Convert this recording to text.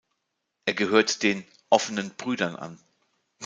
Er gehörte den „offenen Brüdern“ an.